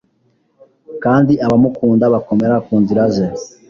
kandi abamukunda bakomera ku nzira ze